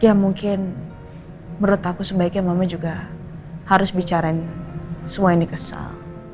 ya mungkin menurut aku sebaiknya mama juga harus bicarain semua ini kesal